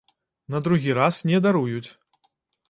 На другі раз не даруюць.